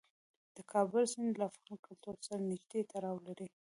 د کابل سیند له افغان کلتور سره نږدې تړاو لري.